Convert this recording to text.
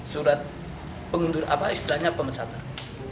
surat pengundur apa istilahnya pemecatan